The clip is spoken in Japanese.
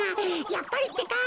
やっぱりってか。